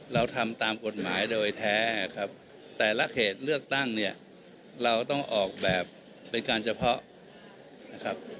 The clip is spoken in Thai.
เราทำตามกฎหมายโดยแท้ครับแต่ละเขตเลือกตั้งเนี่ยเราต้องออกแบบเป็นการเฉพาะนะครับ